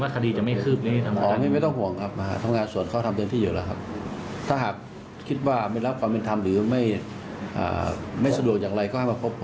ก็ทางภาคงานสนได้แจ้งเค้าหานะครับ